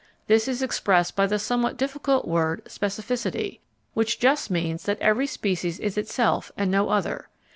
This is expressed by the somewhat difficult word specificity, which just means that every species is itself and no other.